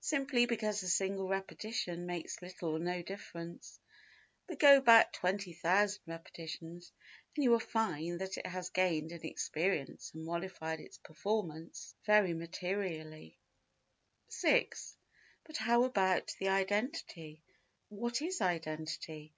Simply because a single repetition makes little or no difference; but go back 20,000 repetitions and you will find that it has gained in experience and modified its performance very materially. 6. But how about the identity? What is identity?